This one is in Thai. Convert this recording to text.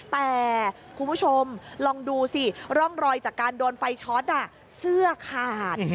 แต่คุณผู้ชมลองดูสิร่องรอยจากการโดนไฟช็อตเสื้อขาด